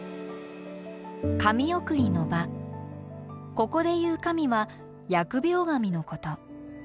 ここで言う神は疫病神のこと。